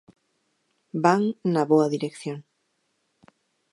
Van na boa dirección.